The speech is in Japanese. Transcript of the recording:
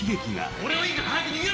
俺はいいから早く逃げろ！